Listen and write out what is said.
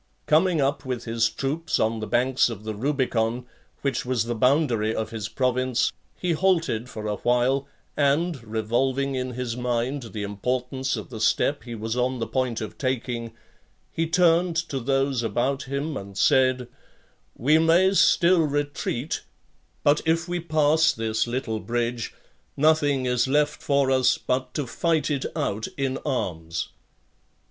Coming up with his troops on the banks of the Rubicon, which was the boundary of his province , he halted for a while, and, revolving in his mind the importance of the step he was on the point of taking, he turned to those about him, and said: "We may still retreat; but if we pass this little bridge, nothing is left for us but to fight it out in arms."